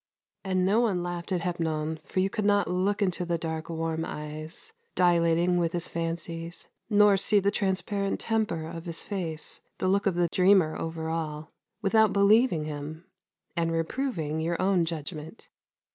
And no one laughed at Hepnon, for you could not look into the dark warm eyes, dilating with his fancies, nor see the transparent temper of his face, the look of the dreamer over all, without believing him, and reproving your own judgment.